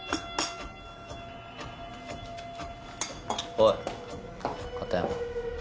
おい片山。